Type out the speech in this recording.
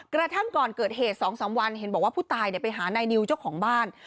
กระทั่งก่อนเกิดเหตุ๒๓วันเห็นบอกว่าผู้ตายไปหานายนิวเจ้าของบ้าน